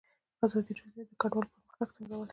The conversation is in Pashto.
ازادي راډیو د کډوال پرمختګ سنجولی.